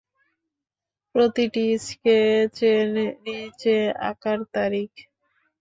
প্রতিটি স্কেচের নিচে আঁকার তারিখ।